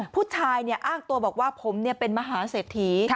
ผู้ชายเนี่ยอ้างตัวบอกว่าผมเนี่ยเป็นมหาเสร็จถี